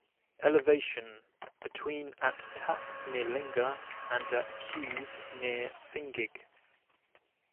Elevation: Between at Tapp near Linger and at Kues near Fingig.